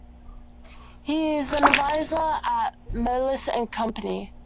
He is an advisor at Moelis and Company.